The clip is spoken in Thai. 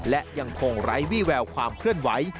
และยังคงไร้วิแววความเพื่อนไว้